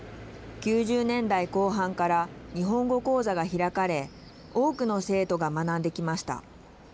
９０年代後半から日本語講座が開かれ多くの生徒が学んできました。